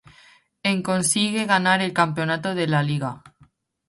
En consigue ganar el campeonato de Liga.